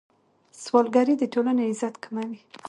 سوالګري د ټولنې عزت کموي.